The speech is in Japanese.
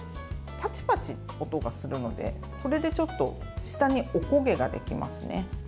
パチパチと音がするのでこれで、ちょっと下におこげができますね。